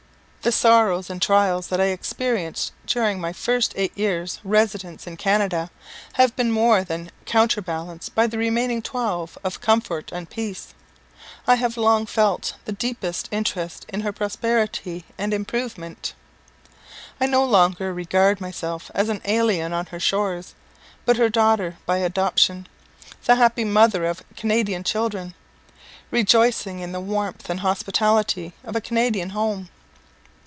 _ The sorrows and trials that I experienced during my first eight years' residence in Canada, have been more than counterbalanced by the remaining twelve of comfort and peace. I have long felt the deepest interest in her prosperity and improvement. I no longer regard myself as an alien on her shores, but her daughter by adoption, the happy mother of Canadian children, rejoicing in the warmth and hospitality of a Canadian Home!